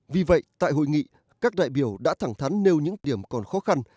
vì vậy tại hội nghị các đại biểu đã thẳng thắn nêu những điểm còn khó khăn